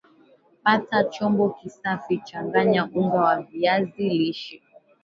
Pata chombo kisafi changanya unga wa viazi lishe